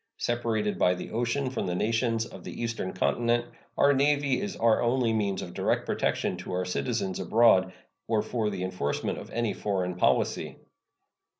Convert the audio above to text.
Separated by the ocean from the nations of the Eastern Continent, our Navy is our only means of direct protection to our citizens abroad or for the enforcement of any foreign policy.